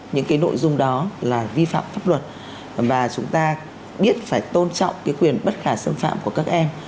những cái nội dung đó là vi phạm pháp luật và chúng ta biết phải tôn trọng cái quyền bất khả xâm phạm của các em